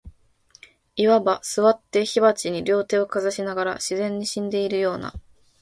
謂わば、坐って火鉢に両手をかざしながら、自然に死んでいるような、